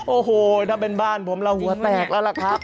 โอ้โหถ้าเป็นบ้านผมเราหัวแตกแล้วล่ะครับ